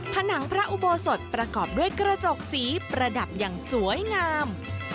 ผนังพระอุโบสถประกอบด้วยกระจกสีประดับอย่างสวยงาม